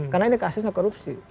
karena ini kasusnya korupsi